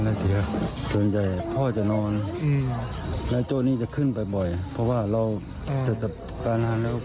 และโจ๊กนี้ก็ขึ้นไปบ่อยเพราะว่าเรามีสติปัญหาแล้ว